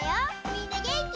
みんなげんき？